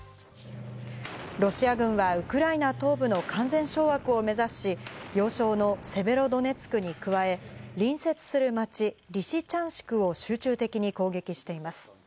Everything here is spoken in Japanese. ロシア軍はウクライナ東部の完全掌握を目指し、要衝のセベロドネツクに加え、隣接する町、リシチャンシクを集中的に攻撃しています。